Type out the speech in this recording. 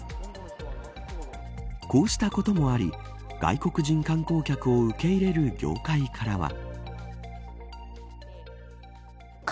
こうしたこともあり外国人観光客を受け入れる業界からは。